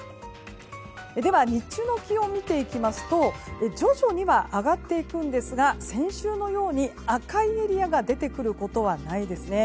では日中の気温を見ていきますと徐々には上がっていくんですが先週のように、赤いエリアが出てくることはないです。